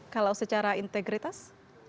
kalau secara integritas